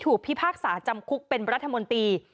ทีนี้จากรายทื่อของคณะรัฐมนตรี